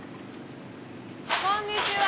こんにちは。